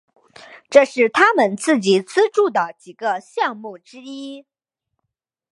这是他们自己注资的几个项目之一。